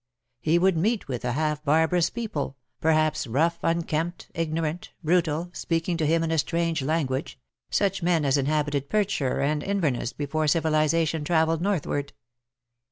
He would meet with a half barbarous people, per haps, rough, unkempt, ignorant, brutal, speaking to him in a strange language — such men as inhabited Perthshire and Inverness before civilization travelled northward.